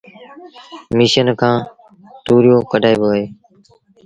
مشيٚن کآݩ تُوريو ڪڍآئيبو اهي